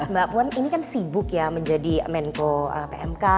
mbak puan ini kan sibuk ya menjadi menko pmk